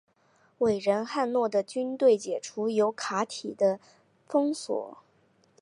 伟人汉诺的军队成功解除由提卡的封锁。